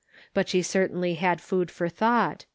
But she certainly had food for thought.